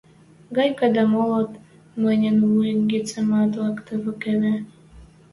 Гайка дӓ молот мӹньӹн вуй гӹцемӓт лӓктӹн кевӹ